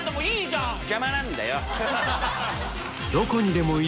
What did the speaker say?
いいじゃん！